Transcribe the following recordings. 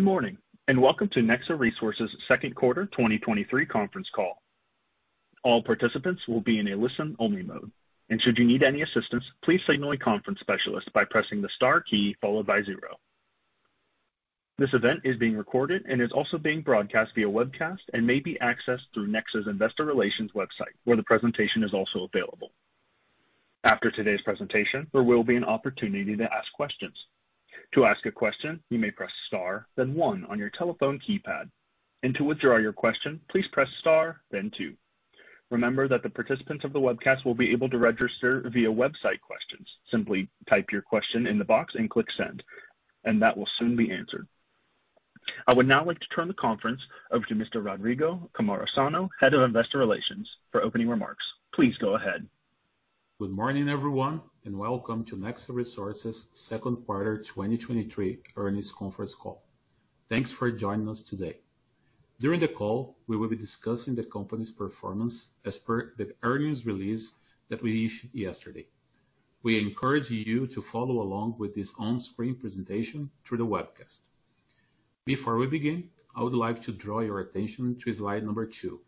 Good morning, welcome to Nexa Resources' second quarter 2023 conference call. All participants will be in a listen-only mode, and should you need any assistance, please signal a conference specialist by pressing the star key followed by zero. This event is being recorded and is also being broadcast via webcast and may be accessed through Nexa's Investor Relations website, where the presentation is also available. After today's presentation, there will be an opportunity to ask questions. To ask a question, you may press star, then one on your telephone keypad, and to withdraw your question, please press star, then two. Remember that the participants of the webcast will be able to register via website questions. Simply type your question in the box and click send, and that will soon be answered. I would now like to turn the conference over to Mr. Rodrigo Cammarosano, Head of Investor Relations, for opening remarks. Please go ahead. Good morning, everyone, and welcome to Nexa Resources' second quarter 2023 earnings conference call. Thanks for joining us today. During the call, we will be discussing the company's performance as per the earnings release that we issued yesterday. We encourage you to follow along with this on-screen presentation through the webcast. Before we begin, I would like to draw your attention to slide two,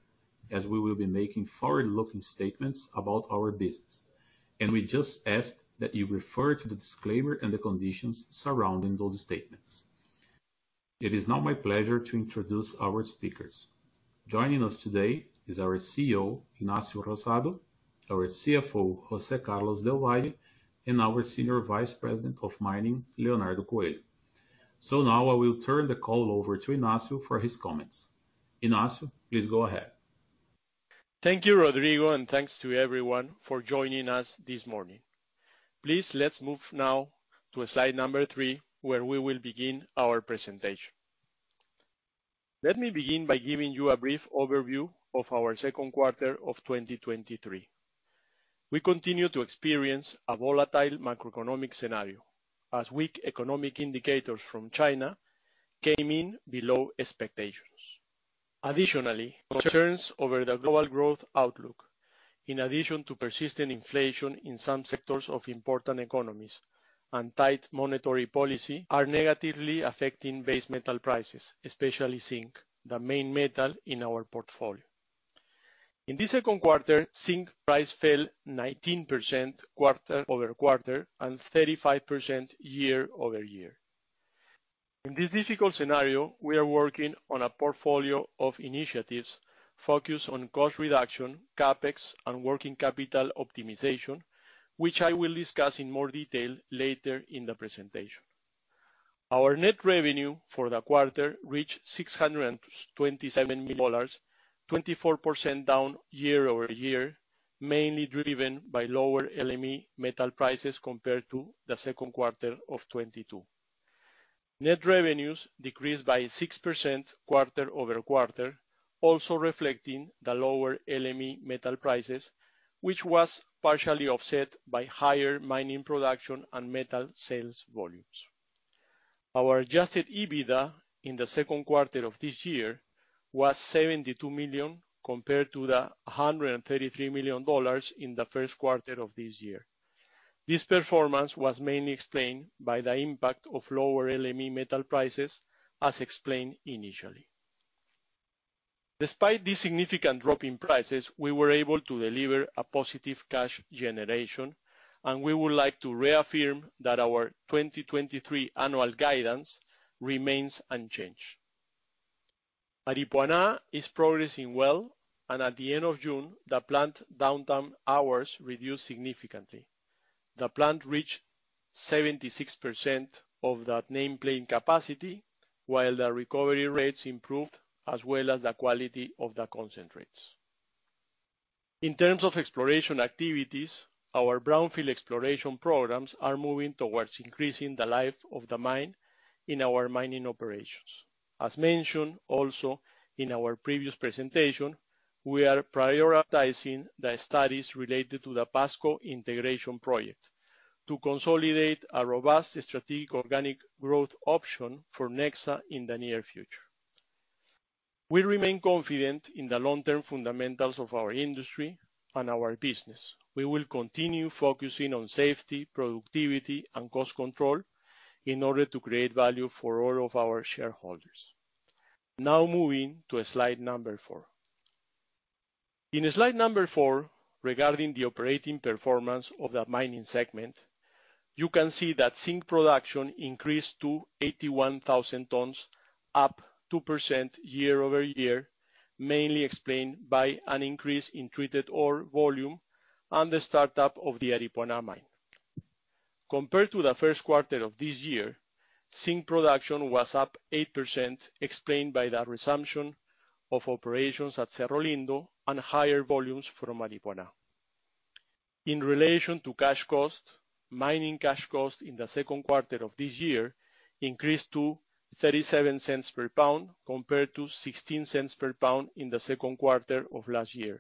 as we will be making forward-looking statements about our business, and we just ask that you refer to the disclaimer and the conditions surrounding those statements. It is now my pleasure to introduce our speakers. Joining us today is our CEO, Ignacio Rosado, our CFO, José Carlos del Valle, and our Senior Vice President of Mining, Leonardo Coelho. Now I will turn the call over to Ignacio for his comments. Ignacio, please go ahead. Thank you, Rodrigo, and thanks to everyone for joining us this morning. Please, let's move now to slide three, where we will begin our presentation. Let me begin by giving you a brief overview of our second quarter of 2023. We continue to experience a volatile macroeconomic scenario as weak economic indicators from China came in below expectations. Additionally, concerns over the global growth outlook, in addition to persistent inflation in some sectors of important economies and tight monetary policy, are negatively affecting base metal prices, especially zinc, the main metal in our portfolio. In this second quarter, zinc price fell 19% quarter-over-quarter and 35% year-over-year. In this difficult scenario, we are working on a portfolio of initiatives focused on cost reduction, CapEx, and working capital optimization, which I will discuss in more detail later in the presentation. Our net revenue for the quarter reached $627 million, 24% down year-over-year, mainly driven by lower LME metal prices compared to the second quarter of 2022. Net revenues decreased by 6% quarter-over-quarter, also reflecting the lower LME metal prices, which was partially offset by higher mining production and metal sales volumes. Our adjusted EBITDA in the second quarter of this year was $72 million, compared to the $133 million in the first quarter of this year. This performance was mainly explained by the impact of lower LME metal prices, as explained initially. Despite this significant drop in prices, we were able to deliver a positive cash generation, and we would like to reaffirm that our 2023 annual guidance remains unchanged. Aripuanã is progressing well, and at the end of June, the plant downtime hours reduced significantly. The plant reached 76% of that nameplate capacity, while the recovery rates improved, as well as the quality of the concentrates. In terms of exploration activities, our brownfield exploration programs are moving towards increasing the life of the mine in our mining operations. As mentioned also in our previous presentation, we are prioritizing the studies related to the Pasco Integration Project to consolidate a robust strategic organic growth option for Nexa in the near future. We remain confident in the long-term fundamentals of our industry and our business. We will continue focusing on safety, productivity, and cost control in order to create value for all of our shareholders. Moving to slide four. In slide four, regarding the operating performance of the mining segment, you can see that zinc production increased to 81,000 tons, up 2% year-over-year, mainly explained by an increase in treated ore volume and the startup of the Aripuanã mine. Compared to the first quarter of 2023, zinc production was up 8%, explained by the resumption of operations at Cerro Lindo and higher volumes from Aripuanã. In relation to cash cost, mining cash cost in the second quarter of 2023 increased to $0.37 per pound, compared to $0.16 per pound in the second quarter of 2022,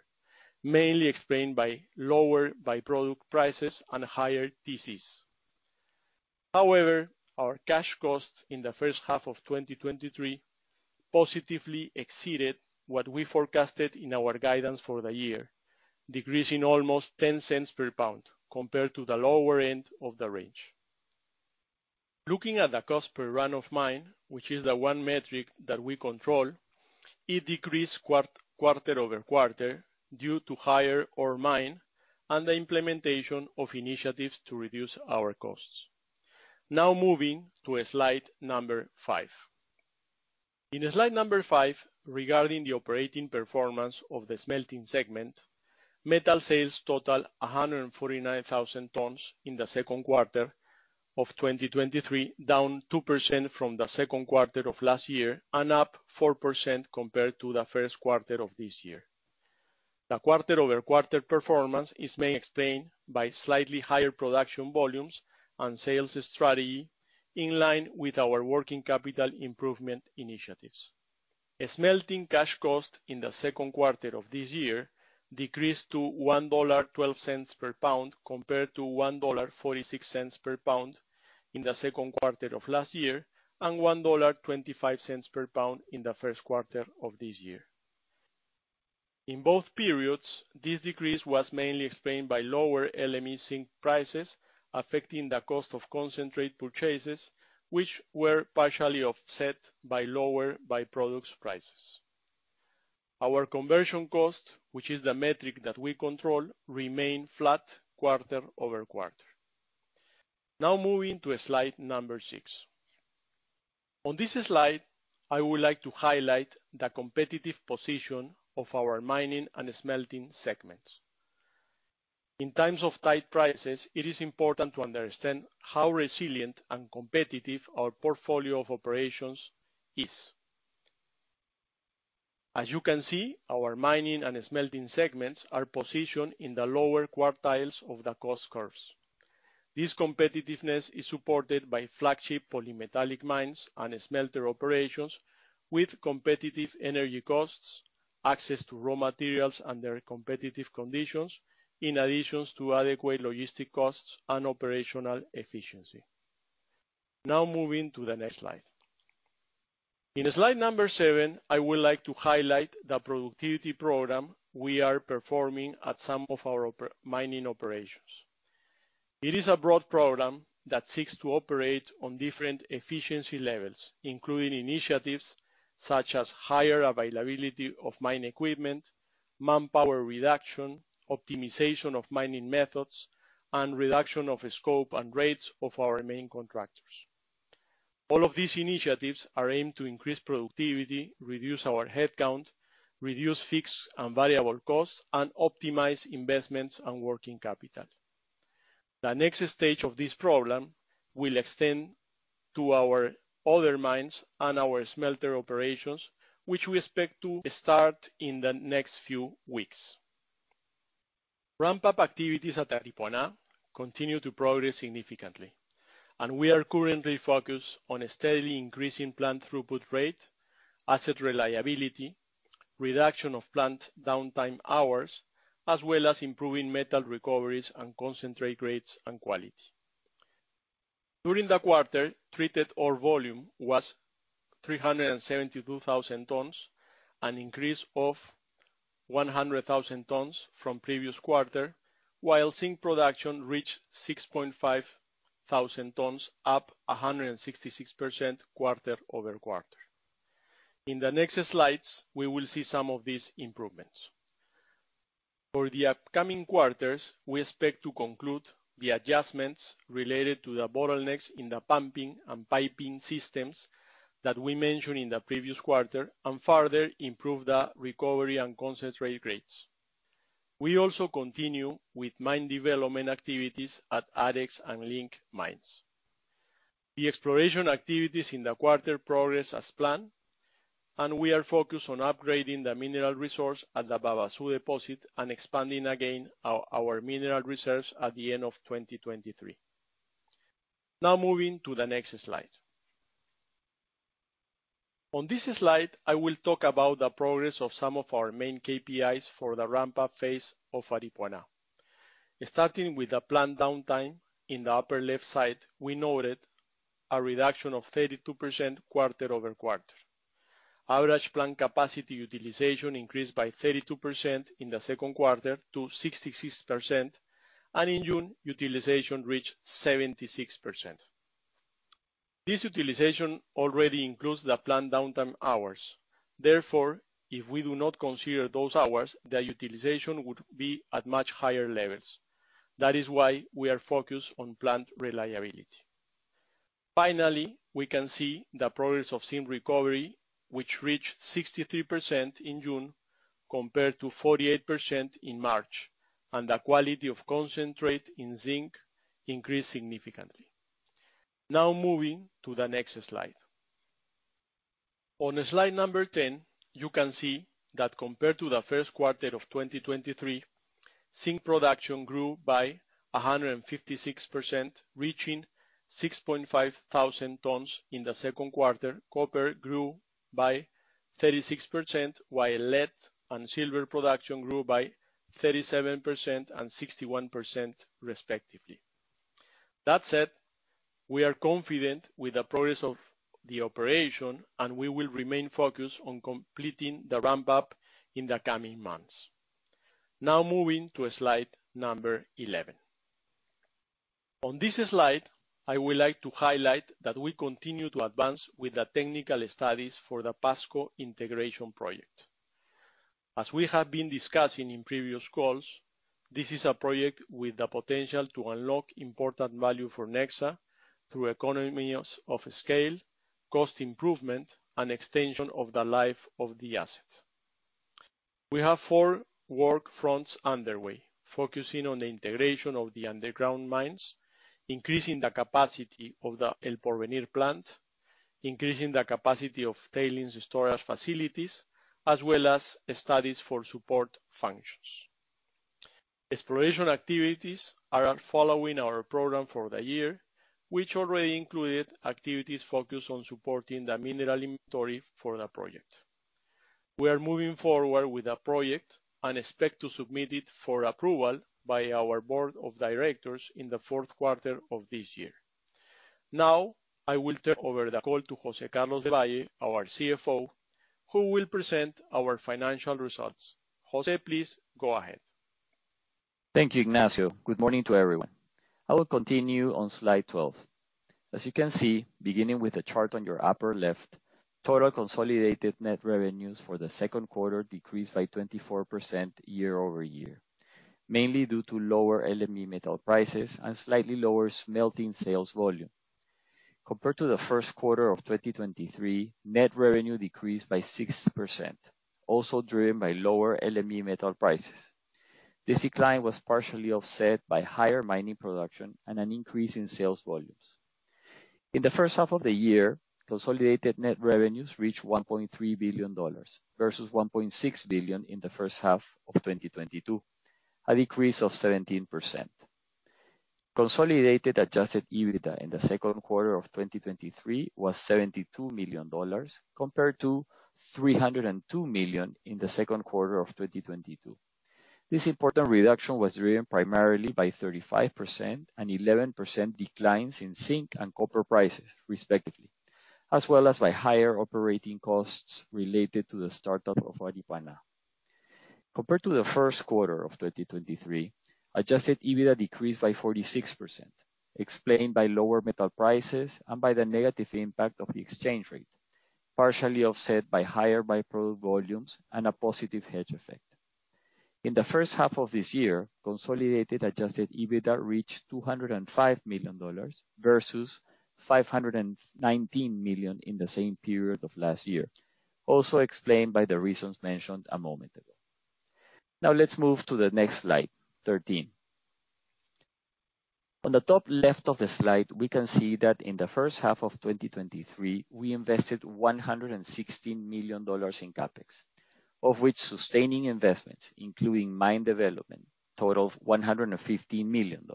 mainly explained by lower by-product prices and higher TCs. However, our cash cost in the 1st half of 2023 positively exceeded what we forecasted in our guidance for the year, decreasing almost $0.10 per pound, compared to the lower end of the range. Looking at the cost per run of mine, which is the one metric that we control, it decreased quarter-over-quarter due to higher ore mine and the implementation of initiatives to reduce our costs. Moving to slide number five. In slide number five, regarding the operating performance of the smelting segment, metal sales totaled 149,000 tons in the second quarter of 2023, down 2% from the second quarter of last year. Up 4% compared to the first quarter of this year. The quarter-over-quarter performance is mainly explained by slightly higher production volumes and sales strategy, in line with our working capital improvement initiatives. A smelting cash cost in the second quarter of this year decreased to $1.12 per pound, compared to $1.46 per pound in the second quarter of last year, and $1.25 per pound in the first quarter of this year. In both periods, this decrease was mainly explained by lower LME zinc prices, affecting the cost of concentrate purchases, which were partially offset by lower by-products prices. Our conversion cost, which is the metric that we control, remained flat quarter-over-quarter. Moving to slide number six. On this slide, I would like to highlight the competitive position of our mining and smelting segments. In times of tight prices, it is important to understand how resilient and competitive our portfolio of operations is. As you can see, our mining and smelting segments are positioned in the lower quartiles of the cost curves. This competitiveness is supported by flagship polymetallic mines and smelter operations with competitive energy costs, access to raw materials under competitive conditions, in addition to adequate logistic costs and operational efficiency. Now, moving to the next slide. In slide number seven, I would like to highlight the productivity program we are performing at some of our mining operations. It is a broad program that seeks to operate on different efficiency levels, including initiatives such as higher availability of mine equipment, manpower reduction, optimization of mining methods, and reduction of scope and rates of our main contractors. All of these initiatives are aimed to increase productivity, reduce our headcount, reduce fixed and variable costs, and optimize investments and working capital. The next stage of this program will extend to our other mines and our smelter operations, which we expect to start in the next few weeks. Ramp-up activities at Aripuanã continue to progress significantly, and we are currently focused on steadily increasing plant throughput rate, asset reliability, reduction of plant downtime hours, as well as improving metal recoveries and concentrate grades and quality. During the quarter, treated ore volume was 372,000 tons, an increase of 100,000 tons from previous quarter, while zinc production reached 6,500 tons, up 166% quarter-over-quarter. In the next slides, we will see some of these improvements. For the upcoming quarters, we expect to conclude the adjustments related to the bottlenecks in the pumping and piping systems that we mentioned in the previous quarter, and further improve the recovery and concentrate grades. We also continue with mine development activities at Arex and Link mines. The exploration activities in the quarter progressed as planned, and we are focused on upgrading the mineral resource at the Babaçu deposit and expanding again our, our mineral reserves at the end of 2023. Now, moving to the next slide. On this slide, I will talk about the progress of some of our main KPIs for the ramp-up phase of Aripuanã. Starting with the plant downtime, in the upper left side, we noted a reduction of 32% quarter-over-quarter. Average plant capacity utilization increased by 32% in the second quarter to 66%, and in June, utilization reached 76%. This utilization already includes the plant downtime hours. Therefore, if we do not consider those hours, the utilization would be at much higher levels. That is why we are focused on plant reliability. Finally, we can see the progress of zinc recovery, which reached 63% in June, compared to 48% in March, and the quality of concentrate in zinc increased significantly. Moving to the next slide. On slide 10, you can see that compared to the first quarter of 2023, zinc production grew by 156%, reaching 6,500 tons in the second quarter. Copper grew by 36%, while lead and silver production grew by 37% and 61%, respectively. That said, we are confident with the progress of the operation, and we will remain focused on completing the ramp-up in the coming months. Moving to slide 11. On this slide, I would like to highlight that we continue to advance with the technical studies for the Pasco Integration Project. As we have been discussing in previous calls, this is a project with the potential to unlock important value for Nexa through economies of scale, cost improvement, and extension of the life of the asset. We have four work fronts underway, focusing on the integration of the underground mines, increasing the capacity of the El Porvenir plant, increasing the capacity of tailings storage facilities, as well as studies for support functions. Exploration activities are following our program for the year, which already included activities focused on supporting the mineral inventory for the project. We are moving forward with the project and expect to submit it for approval by our board of directors in the fourth quarter of this year. I will turn over the call to José Carlos del Valle, our CFO, who will present our financial results. José, please go ahead. Thank you, Ignacio. Good morning to everyone. I will continue on slide 12. As you can see, beginning with the chart on your upper left, total consolidated net revenues for the second quarter decreased by 24% year-over-year, mainly due to lower LME metal prices and slightly lower smelting sales volume. Compared to the first quarter of 2023, net revenue decreased by 6%, also driven by lower LME metal prices. This decline was partially offset by higher mining production and an increase in sales volumes. In the first half of the year, consolidated net revenues reached $1.3 billion, versus $1.6 billion in the first half of 2022, a decrease of 17%. Consolidated adjusted EBITDA in the second quarter of 2023 was $72 million, compared to $302 million in the second quarter of 2022. This important reduction was driven primarily by 35% and 11% declines in zinc and copper prices, respectively, as well as by higher operating costs related to the startup of Aripuanã. Compared to the first quarter of 2023, adjusted EBITDA decreased by 46%, explained by lower metal prices and by the negative impact of the exchange rate, partially offset by higher by-product volumes and a positive hedge effect. In the first half of this year, Consolidated adjusted EBITDA reached $205 million versus $519 million in the same period of last year, also explained by the reasons mentioned a moment ago. Let's move to the next slide 13. On the top left of the slide, we can see that in the first half of 2023, we invested $116 million in CapEx, of which sustaining investments, including mine development, totaled $115 million.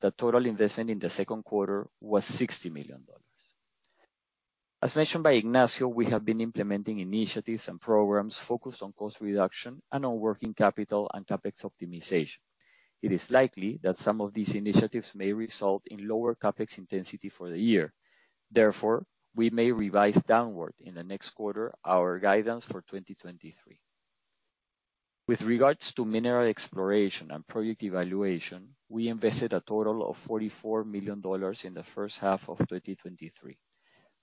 The total investment in the second quarter was $60 million. As mentioned by Ignacio, we have been implementing initiatives and programs focused on cost reduction and on working capital and CapEx optimization. It is likely that some of these initiatives may result in lower CapEx intensity for the year. We may revise downward in the next quarter, our guidance for 2023. With regards to mineral exploration and project evaluation, we invested a total of $44 million in the first half of 2023,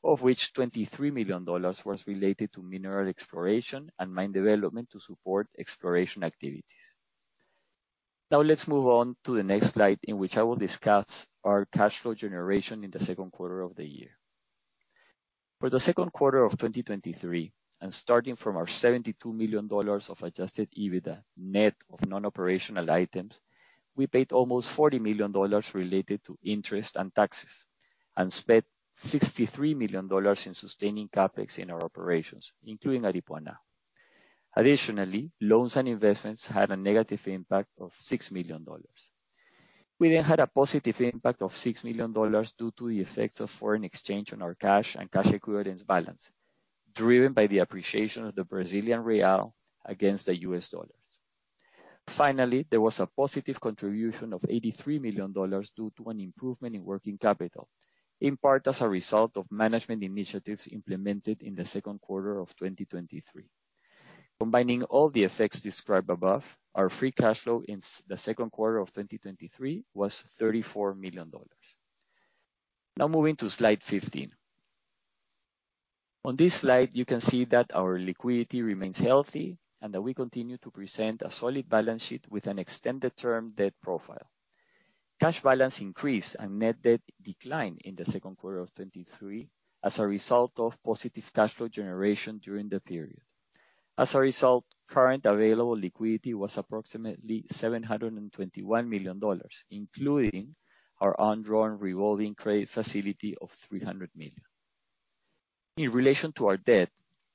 of which $23 million was related to mineral exploration and mine development to support exploration activities. Now let's move on to the next slide, in which I will discuss our cash flow generation in the second quarter of the year. For the second quarter of 2023, starting from our $72 million of adjusted EBITDA, net of non-operational items, we paid almost $40 million related to interest and taxes and spent $63 million in sustaining CapEx in our operations, including Aripuanã. Additionally, loans and investments had a negative impact of $6 million. We had a positive impact of $6 million due to the effects of foreign exchange on our cash and cash equivalents balance, driven by the appreciation of the Brazilian real against the US dollars. Finally, there was a positive contribution of $83 million due to an improvement in working capital, in part as a result of management initiatives implemented in the second quarter of 2023. Combining all the effects described above, our free cash flow in the second quarter of 2023 was $34 million. Now moving to slide 15. On this slide, you can see that our liquidity remains healthy and that we continue to present a solid balance sheet with an extended term debt profile. Cash balance increased and net debt declined in the second quarter of 2023 as a result of positive cash flow generation during the period. As a result, current available liquidity was approximately $721 million, including our undrawn revolving credit facility of $300 million. In relation to our debt,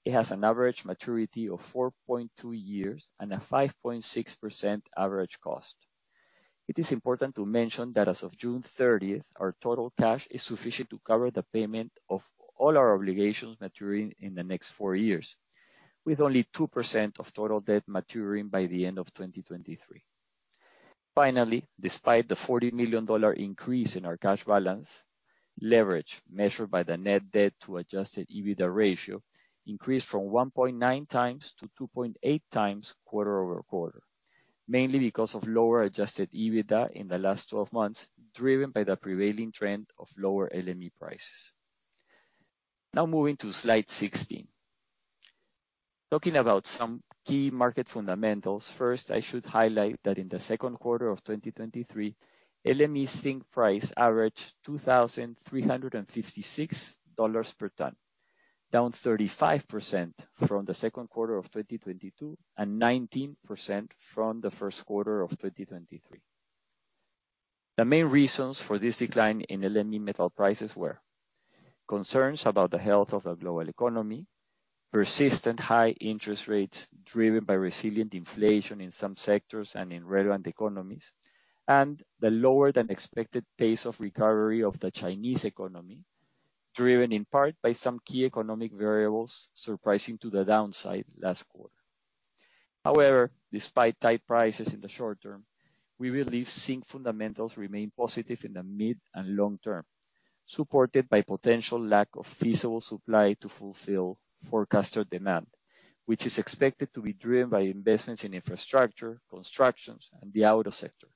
it has an average maturity of 4.2 years and a 5.6% average cost. It is important to mention that as of June 30th, our total cash is sufficient to cover the payment of all our obligations maturing in the next four years. With only 2% of total debt maturing by the end of 2023. Despite the $40 million increase in our cash balance, leverage, measured by the net debt to adjusted EBITDA ratio, increased from 1.9x to 2.8x quarter-over-quarter, mainly because of lower adjusted EBITDA in the last 12 months, driven by the prevailing trend of lower LME prices. Moving to slide 16. Talking about some key market fundamentals, first, I should highlight that in the second quarter of 2023, LME zinc price averaged $2,356 per ton, down 35% from the second quarter of 2022, and 19% from the first quarter of 2023. The main reasons for this decline in LME metal prices were: concerns about the health of the global economy, persistent high interest rates, driven by resilient inflation in some sectors and in relevant economies, and the lower than expected pace of recovery of the Chinese economy, driven in part by some key economic variables, surprising to the downside last quarter. However, despite tight prices in the short term, we believe zinc fundamentals remain positive in the mid and long term, supported by potential lack of feasible supply to fulfill forecaster demand, which is expected to be driven by investments in infrastructure, constructions, and the auto sector,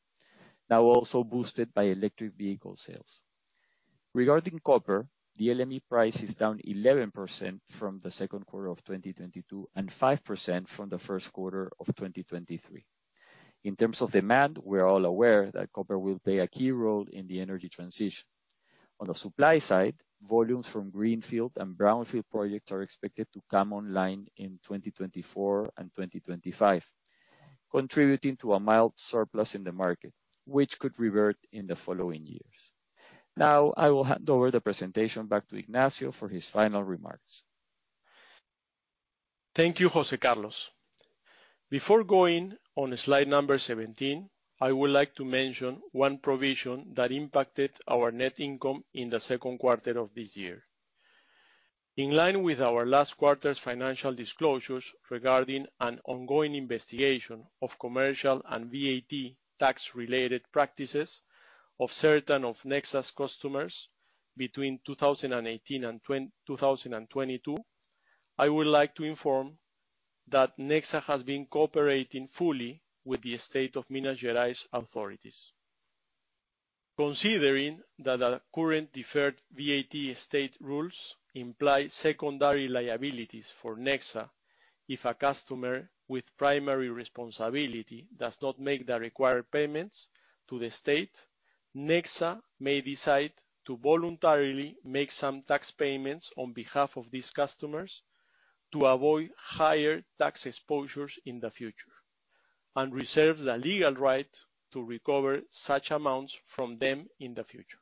now also boosted by electric vehicle sales. Regarding copper, the LME price is down 11% from the second quarter of 2022, and 5% from the first quarter of 2023. In terms of demand, we're all aware that copper will play a key role in the energy transition. On the supply side, volumes from greenfield and brownfield projects are expected to come online in 2024 and 2025, contributing to a mild surplus in the market, which could revert in the following years. Now, I will hand over the presentation back to Ignacio for his final remarks. Thank you, José Carlos. Before going on slide 17, I would like to mention one provision that impacted our net income in the second quarter of this year. In line with our last quarter's financial disclosures regarding an ongoing investigation of commercial and VAT tax-related practices of certain of Nexa's customers between 2018 and 2022, I would like to inform that Nexa has been cooperating fully with the State of Minas Gerais authorities. Considering that the current deferred VAT state rules imply secondary liabilities for Nexa, if a customer with primary responsibility does not make the required payments to the state, Nexa may decide to voluntarily make some tax payments on behalf of these customers to avoid higher tax exposures in the future, and reserve the legal right to recover such amounts from them in the future.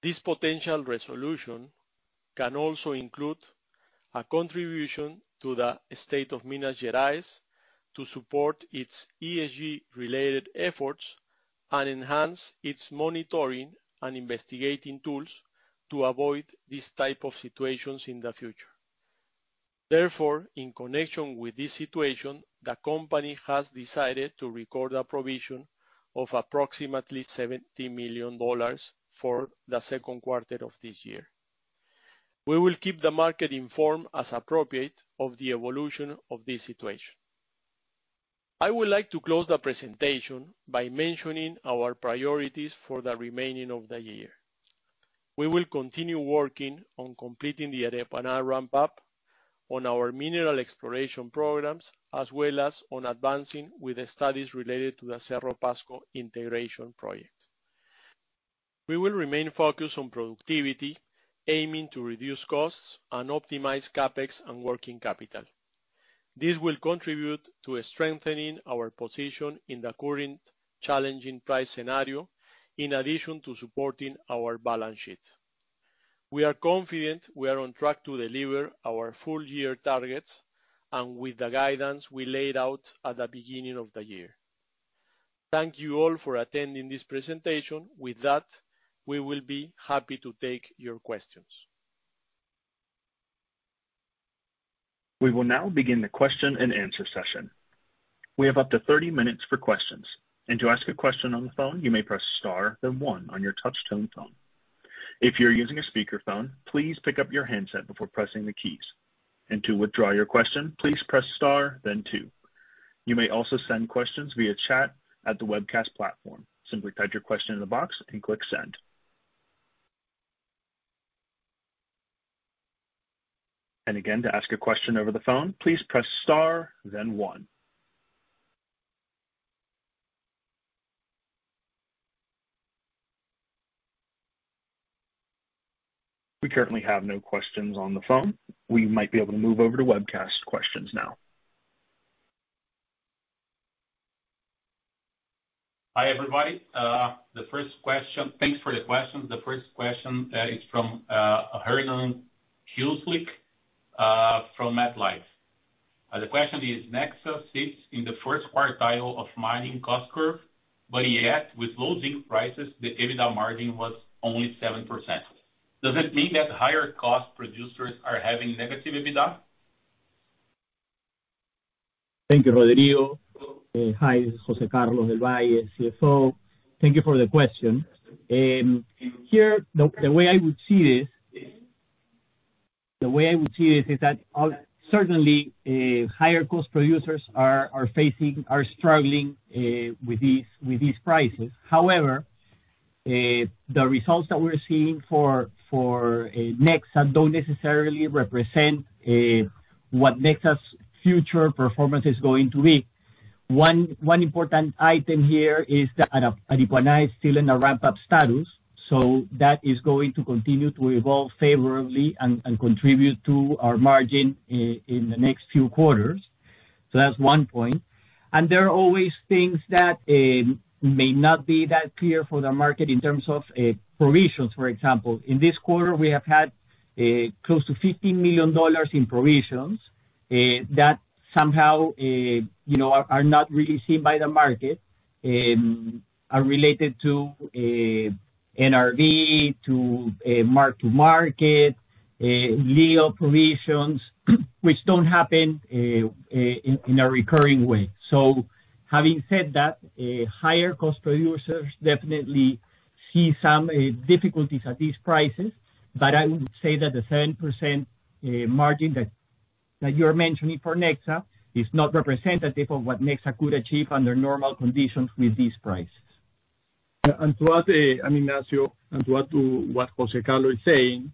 This potential resolution can also include a contribution to the State of Minas Gerais to support its ESG-related efforts and enhance its monitoring and investigating tools to avoid these type of situations in the future. Therefore, in connection with this situation, the company has decided to record a provision of approximately $70 million for the second quarter of this year. We will keep the market informed as appropriate of the evolution of this situation. I would like to close the presentation by mentioning our priorities for the remaining of the year. We will continue working on completing the Aripuanã ramp-up on our mineral exploration programs, as well as on advancing with the studies related to the Cerro Pasco Integration Project. We will remain focused on productivity, aiming to reduce costs and optimize CapEx and working capital. This will contribute to strengthening our position in the current challenging price scenario, in addition to supporting our balance sheet. We are confident we are on track to deliver our full year targets and with the guidance we laid out at the beginning of the year. Thank you all for attending this presentation. With that, we will be happy to take your questions. We will now begin the question-and-answer session. We have up to 30 minutes for questions. To ask a question on the phone, you may press star, then one on your touchtone phone. If you're using a speakerphone, please pick up your handset before pressing the keys. To withdraw your question, please press star then two. You may also send questions via chat at the webcast platform. Simply type your question in the box and click send. Again, to ask a question over the phone, please press star, then one. We currently have no questions on the phone. We might be able to move over to webcast questions now. Hi, everybody. The first question. Thanks for the question. The first question is from Hernán Kisluk from MetLife. The question is, Nexa sits in the first quartile of mining cost curve, but yet with low zinc prices, the EBITDA margin was only 7%. Does it mean that higher cost producers are having negative EBITDA? Thank you, Rodrigo. Hi, this is José Carlos del Valle, CFO. Thank you for the question. Here, the, the way I would see this, the way I would see this is that certainly, higher cost producers are, are facing, are struggling, with these, with these prices. However, the results that we're seeing for, for, Nexa don't necessarily represent, what Nexa's future performance is going to be. One, one important item here is that, Aripuanã is still in a ramp-up status, so that is going to continue to evolve favorably and, and contribute to our margin in the next few quarters. So that's one point. There are always things that, may not be that clear for the market in terms of, provisions, for example. In this quarter, we have had, close to $50 million in provisions, that somehow, you know, are, are not really seen by the market, are related to, NRV, to, mark-to-market, legal provisions, which don't happen, in, in a recurring way. Having said that, higher cost producers definitely see some difficulties at these prices, but I would say that the 7% margin that, that you're mentioning for Nexa is not representative of what Nexa could achieve under normal conditions with these prices. To add, I'm Ignacio, and to add to what José Carlos is saying,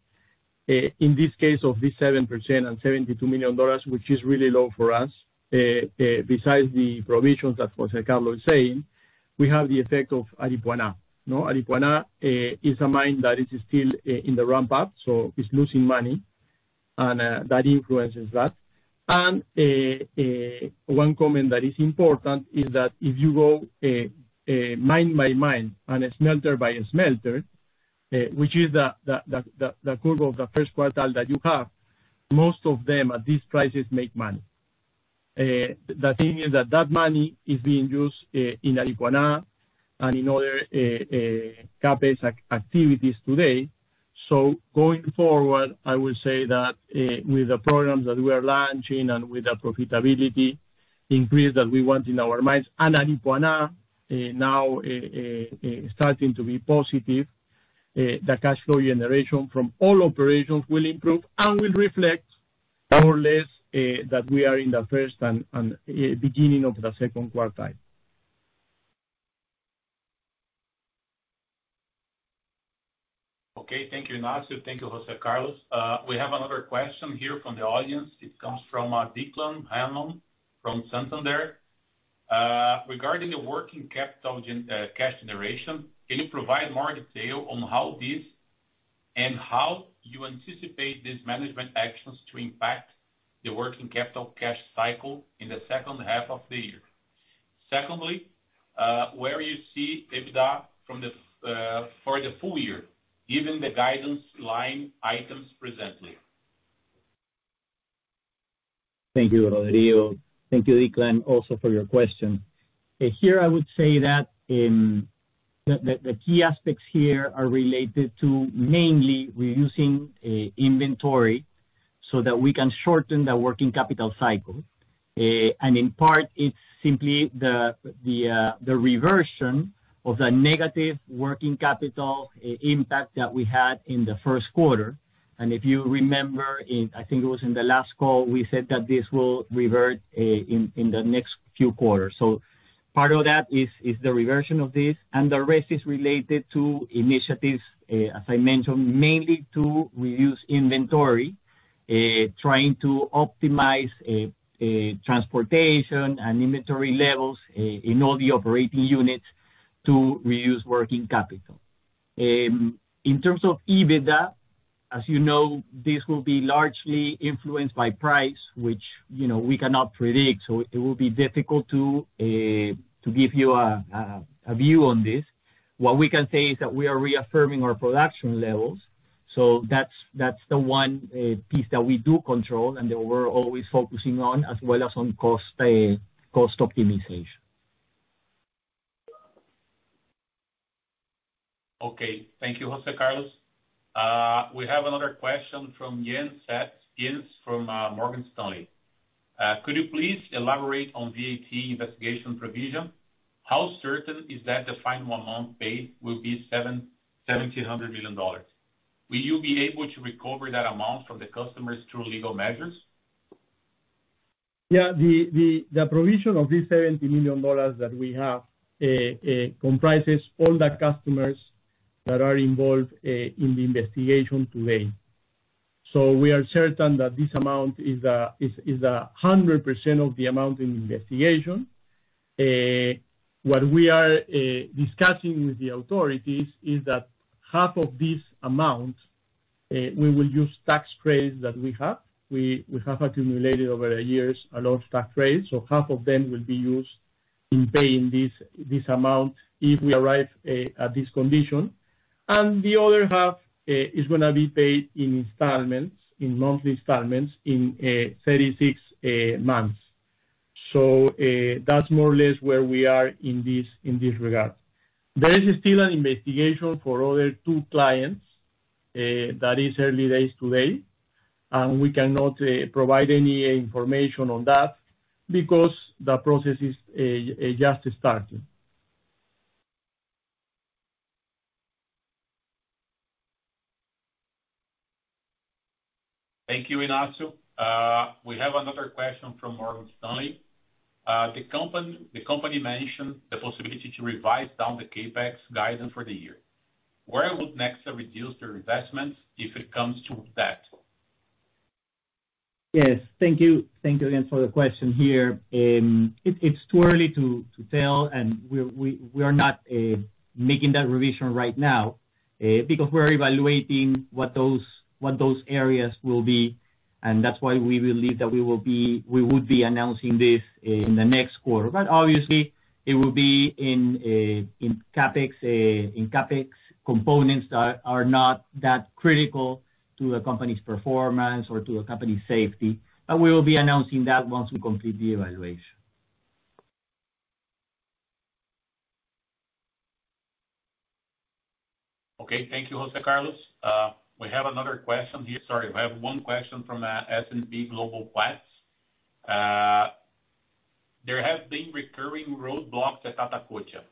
in this case of this 7% and $72 million, which is really low for us, besides the provisions that José Carlos is saying, we have the effect of Aripuanã. You know, Aripuanã is a mine that is still in the ramp-up, so it's losing money, and that influences that. One comment that is important is that if you go mine by mine and smelter by smelter, which is the, the, the, the, the curve of the first quartile that you have, most of them at these prices make money. The thing is that that money is being used in Aripuanã and in other CapEx activities today. Going forward, I will say that, with the programs that we are launching and with the profitability increase that we want in our mines, and Aripuanã, now, starting to be positive, the cash flow generation from all operations will improve and will reflect more or less, that we are in the first and, and, beginning of the second quartile. Okay. Thank you, Ignacio. Thank you, José Carlos. We have another question here from the audience. It comes from Declan Hanlon from Santander. Regarding the working capital gen, cash generation, can you provide more detail on how this and how you anticipate these management actions to impact the working capital cash cycle in the second half of the year? Secondly, where you see EBITDA from the for the full year, given the guidance line items presently? Thank you, Rodrigo. Thank you, Declan, also for your question. Here, I would say that the key aspects here are related to mainly reducing inventory, so that we can shorten the working capital cycle. In part, it's simply the reversion of the negative working capital impact that we had in the first quarter. If you remember, in, I think it was in the last call, we said that this will revert in the next few quarters. Part of that is the reversion of this, and the rest is related to initiatives, as I mentioned, mainly to reduce inventory, trying to optimize transportation and inventory levels in all the operating units to reduce working capital. In terms of EBITDA, as you know, this will be largely influenced by price, which, you know, we cannot predict. It will be difficult to give you a view on this. What we can say is that we are reaffirming our production levels. That's, that's the one piece that we do control and that we're always focusing on, as well as on cost, cost optimization. Okay. Thank you, José Carlos. We have another question from Jens Spiess. Jens from Morgan Stanley. Could you please elaborate on VAT investigation provision? How certain is that the final amount paid will be $70 million? Will you be able to recover that amount from the customers through legal measures? Yeah, the, the, the provision of this $70 million that we have comprises all the customers that are involved in the investigation today. We are certain that this amount is 100% of the amount in investigation. What we are discussing with the authorities is that half of this amount, we will use tax credits that we have. We, we have accumulated over the years a lot of tax credits, so half of them will be used in paying this, this amount if we arrive at this condition. The other half is gonna be paid in installments, in monthly installments, in 36 months. That's more or less where we are in this, in this regard. There is still an investigation for other two clients, that is early days today. We cannot provide any information on that because the process is just starting. Thank you, Ignacio. We have another question from Morgan Stanley. The company mentioned the possibility to revise down the CapEx guidance for the year. Where would Nexa reduce their investments if it comes to that? Yes. Thank you, thank you again for the question here. It's too early to tell. We are not making that revision right now because we're evaluating what those, what those areas will be, and that's why we believe that we would be announcing this in the next quarter. Obviously, it will be in CapEx, in CapEx components that are not that critical to a company's performance or to a company's safety. We will be announcing that once we complete the evaluation. Okay. Thank you, José Carlos. We have another question here. We have one question from S&P Global Platts. There have been recurring roadblocks at Atacocha.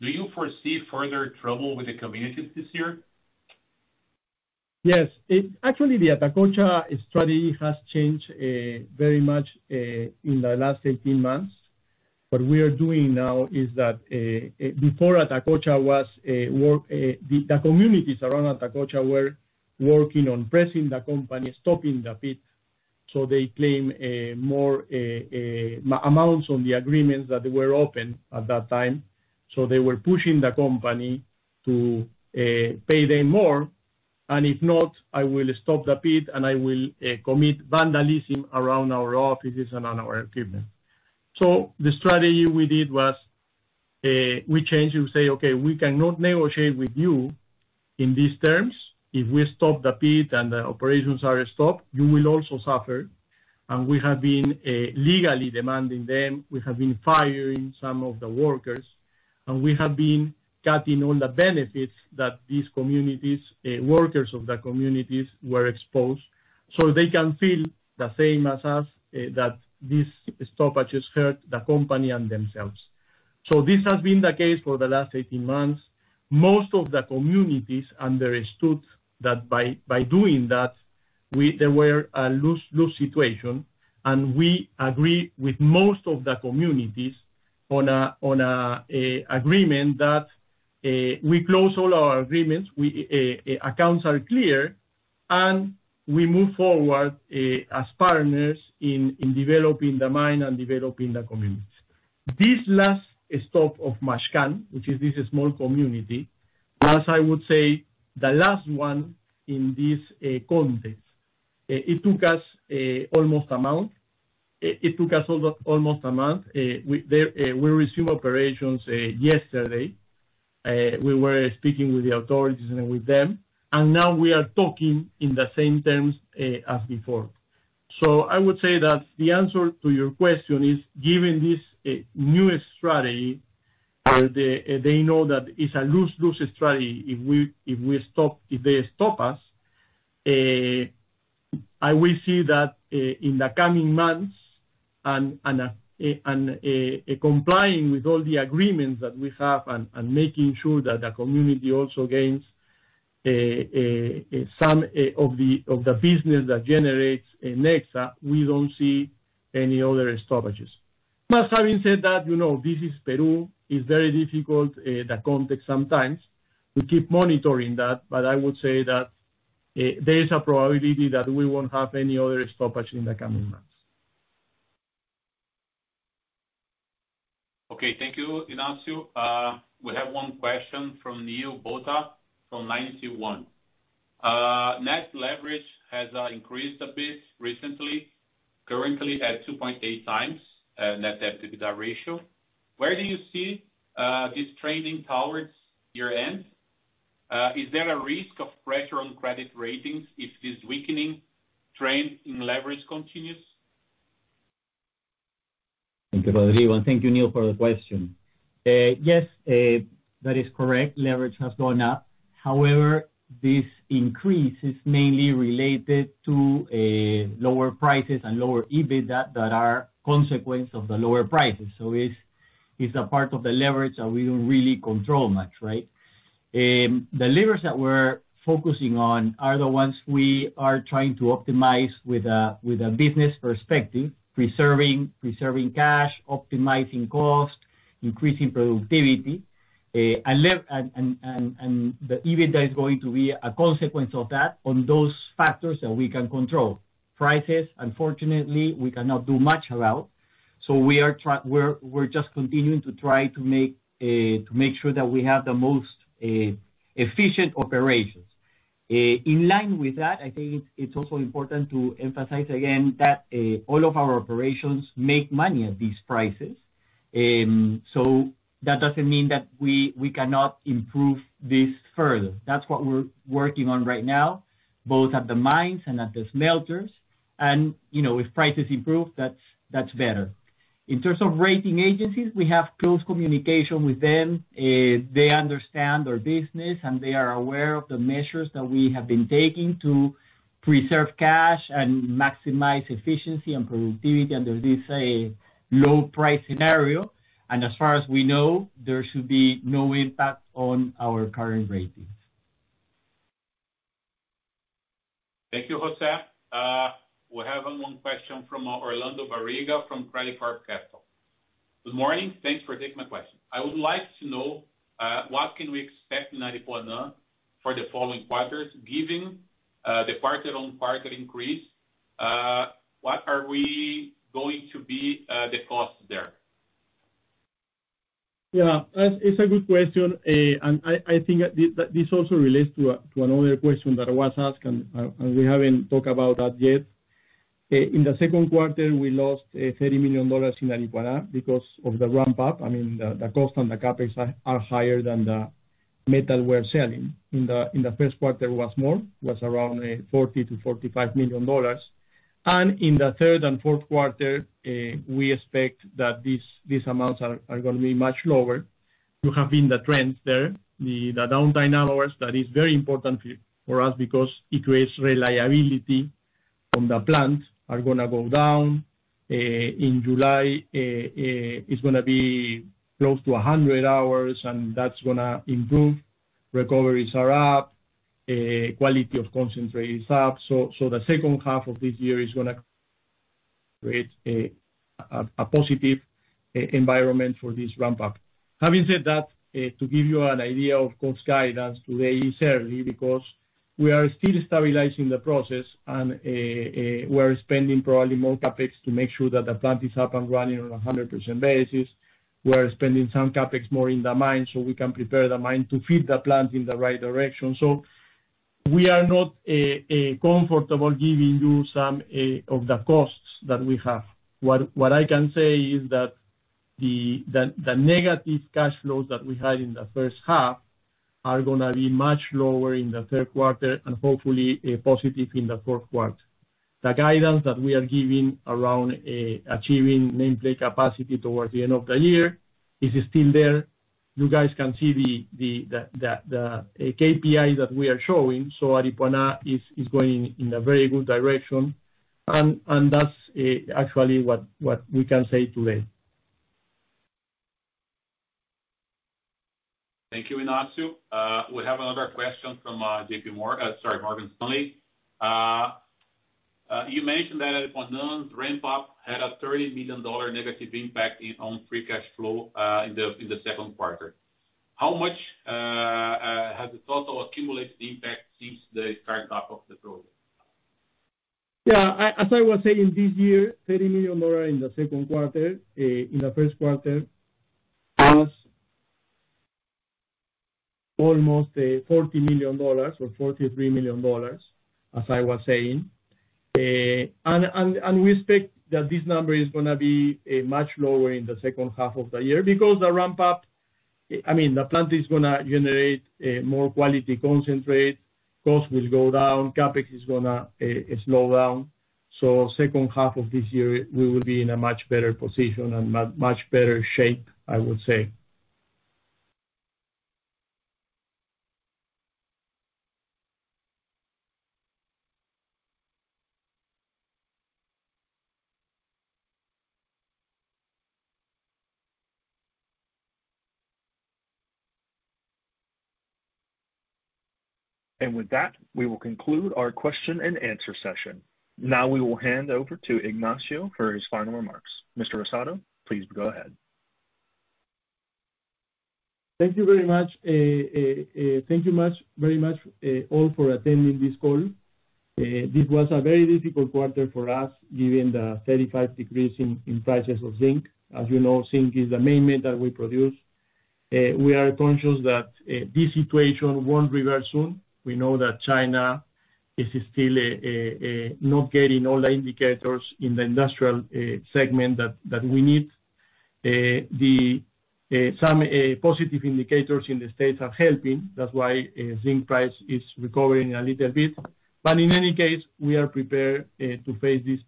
Do you foresee further trouble with the communities this year? Yes. It, actually, the Atacocha strategy has changed, very much, in the last 18 months. What we are doing now is that, before Atacocha was a work... The, the communities around Atacocha were working on pressing the company, stopping the pit, so they claim, more, amounts on the agreements that were open at that time. They were pushing the company to, pay them more, "And if not, I will stop the pit, and I will, commit vandalism around our offices and on our equipment." The strategy we did was, we changed to say, "Okay, we cannot negotiate with you in these terms. If we stop the pit and the operations are stopped, you will also suffer." We have been, legally demanding them. We have been firing some of the workers, and we have been cutting all the benefits that these communities, workers of the communities were exposed, so they can feel the same as us, that these stoppages hurt the company and themselves. This has been the case for the last 18 months. Most of the communities understood that by, by doing that, we, they were a lose-lose situation, and we agree with most of the communities on a, on a, a agreement that, we close all our agreements, we, accounts are clear, and we move forward, as partners in, in developing the mine and developing the communities. This last stop of Machcan, which is this small community, as I would say, the last one in this context, it took us almost a month. It took us almost, almost a month. We, there, we resume operations yesterday. We were speaking with the authorities and with them, and now we are talking in the same terms as before. I would say that the answer to your question is, given this new strategy, they, they know that it's a lose-lose strategy if we, if we stop- if they stop us. I will see that in the coming months, and, and, and, complying with all the agreements that we have and, and making sure that the community also gains some of the business that generates Nexa, we don't see any other stoppages. Having said that, you know, this is Peru. It's very difficult, the context sometimes. We keep monitoring that, but I would say that, there is a probability that we won't have any other stoppage in the coming months. Okay. Thank you, Ignacio. We have one question from Neil Botha from Ninety One. Net leverage has increased a bit recently, currently at 2.8x net debt to EBITDA ratio. Where do you see this trending towards your end? Is there a risk of pressure on credit ratings if this weakening trend in leverage continues? Thank you, Rodrigo, and thank you, Neil, for the question. Yes, that is correct. Leverage has gone up. However, this increase is mainly related to lower prices and lower EBITDA that are consequence of the lower prices. It's, it's a part of the leverage that we don't really control much, right? The levers that we're focusing on are the ones we are trying to optimize with a, with a business perspective, preserving, preserving cash, optimizing cost, increasing productivity, unlev- and, and, and, and the EBITDA is going to be a consequence of that on those factors that we can control. Prices, unfortunately, we cannot do much about. We are try- we're, we're just continuing to try to make to make sure that we have the most efficient operations. In line with that, I think it's, it's also important to emphasize again that all of our operations make money at these prices. That doesn't mean that we, we cannot improve this further. That's what we're working on right now, both at the mines and at the smelters. You know, if prices improve, that's, that's better. In terms of rating agencies, we have close communication with them. They understand our business, and they are aware of the measures that we have been taking to preserve cash and maximize efficiency and productivity under this low price scenario. As far as we know, there should be no impact on our current ratings. Thank you, Jose. We're having one question from Orlando Barriga from Credicorp Capital. Good morning, thanks for taking my question. I would like to know, what can we expect in Aripuanã for the following quarters, given, the quarter-on-quarter increase, what are we going to be, the cost there? Yeah, it's a good question, and I, I think this, this also relates to, to another question that I was asked, and we haven't talked about that yet. In the second quarter, we lost $30 million in Aripuanã because of the ramp-up. I mean, the cost and the CapEx are higher than the metal we're selling. In the first quarter, it was more, it was around $40 million-$45 million. In the third and fourth quarter, we expect that these amounts are gonna be much lower. You have been the trend there, the downtime hours, that is very important for us because it creates reliability from the plants are gonna go down. In July, it's gonna be close to 100 hours, and that's gonna improve. Recoveries are up, quality of concentrate is up, so the second half of this year is gonna create a, a, a positive environment for this ramp-up. Having said that, to give you an idea of cost guidance today, certainly because we are still stabilizing the process, and we're spending probably more CapEx to make sure that the plant is up and running on a 100% basis. We're spending some CapEx more in the mine, so we can prepare the mine to feed the plant in the right direction. We are not comfortable giving you some of the costs that we have. What I can say is that the, the, the negative cash flows that we had in the first half, are gonna be much lower in the third quarter and hopefully, positive in the fourth quarter. The guidance that we are giving around achieving nameplate capacity towards the end of the year, is still there. You guys can see the KPI that we are showing, so Aripuanã is going in a very good direction. That's actually what we can say today. Thank you, Ignacio. We have another question from, JP Morgan-- sorry, Morgan Stanley. You mentioned that at Aripuanã, the ramp-up had a $30 million negative impact in, on free cash flow, in the second quarter. How much has the total accumulated impact since the start-up of the quarter? Yeah, as, as I was saying, this year, $30 million in the second quarter, in the first quarter, was almost $40 million or $43 million, as I was saying. We expect that this number is gonna be much lower in the second half of the year, because the ramp-up, I mean, the plant is gonna generate more quality concentrate, costs will go down, CapEx is gonna slow down. Second half of this year, we will be in a much better position and much better shape, I would say. With that, we will conclude our question and answer session. Now, we will hand over to Ignacio for his final remarks. Mr. Rosado, please go ahead. Thank you very much. Thank you very much, all for attending this call. This was a very difficult quarter for us, given the 35% decrease in, in prices of zinc. As you know, zinc is the main metal we produce. We are conscious that this situation won't reverse soon. We know that China is still not getting all the indicators in the industrial segment that, that we need. Some positive indicators in the U.S. are helping. That's why zinc price is recovering a little bit. But in any case, we are prepared to face this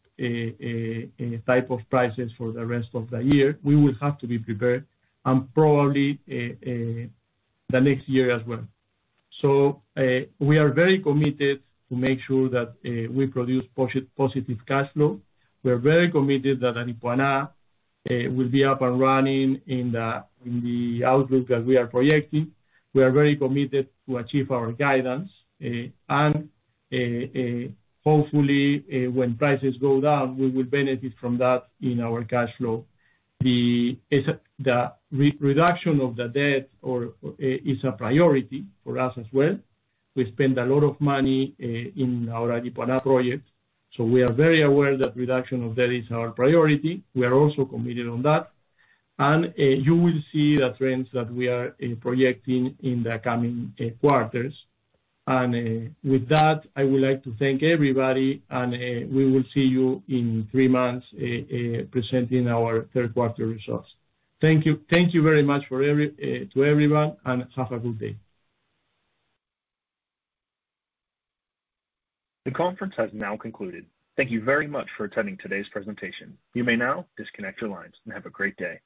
type of prices for the rest of the year. We will have to be prepared, and probably, the next year as well. We are very committed to make sure that we produce positive cash flow. We're very committed that Aripuanã will be up and running in the, in the outlook that we are projecting. We are very committed to achieve our guidance and hopefully, when prices go down, we will benefit from that in our cash flow. The reduction of the debt or is a priority for us as well. We spend a lot of money in our Aripuanã project, so we are very aware that reduction of debt is our priority. We are also committed on that. You will see the trends that we are projecting in the coming quarters. With that, I would like to thank everybody, and we will see you in three months, presenting our third quarter results. Thank you. Thank you very much for every to everyone, and have a good day. The conference has now concluded. Thank you very much for attending today's presentation. You may now disconnect your lines, and have a great day.